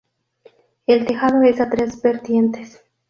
El tejado es a tres vertientes.